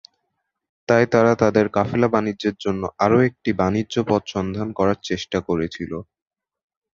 তাই তারা তাদের কাফেলা বাণিজ্যের জন্য আরও একটি বাণিজ্য পথ সন্ধান করার চেষ্টা করেছিল।